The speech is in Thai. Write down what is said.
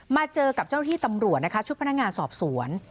เจอกับเจ้าหน้าที่ตำรวจนะคะชุดพนักงานสอบสวน